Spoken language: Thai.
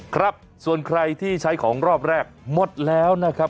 ครับส่วนใครที่ใช้ของรอบแรกหมดแล้วนะครับ